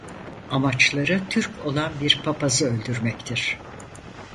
Amaçları Türk olan bir papazı öldürmektir.